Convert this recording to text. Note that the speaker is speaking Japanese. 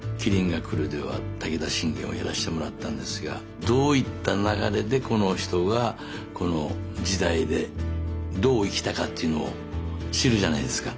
「麒麟がくる」では武田信玄をやらしてもらったんですがどういった流れでこの人がこの時代でどう生きたかっていうのを知るじゃないですか。